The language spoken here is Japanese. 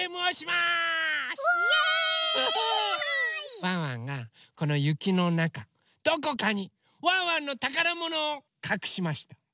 ワンワンがこのゆきのなかどこかにワンワンのたからものをかくしました。